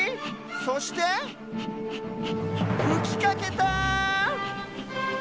そしてふきかけた！